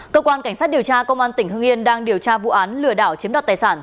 cơ quan cảnh sát điều tra công an tỉnh hưng yên đang điều tra vụ án lừa đảo chiếm đoạt tài sản